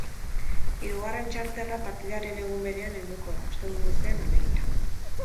Hirugarren charterra partidaren egun berean helduko da, ostegun goizean alegia.